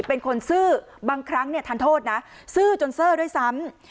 เป็นคนซื่อบางครั้งเนี่ยทานโทษนะซื่อจนเซอร์ด้วยซ้ำ